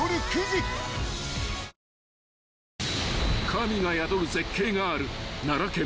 ［神が宿る絶景がある奈良県